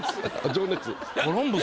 「情熱」。